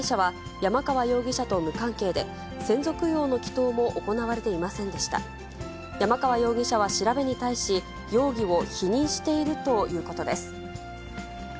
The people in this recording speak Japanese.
山川容疑者は調べに対し、容疑を否認しているということです。